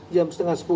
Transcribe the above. jam setengah sepuluh